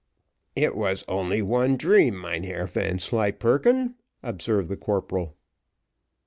"It was only one dream, Mynheer Vanslyperken," observed the corporal.